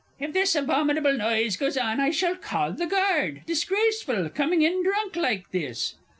If this abominable noise goes on, I shall call the guard disgraceful, coming in drunk like this!